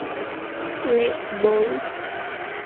Le Bourg